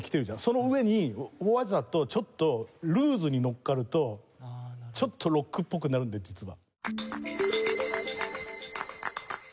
その上にわざとちょっとルーズに乗っかるとちょっとロックっぽくなるんで実は。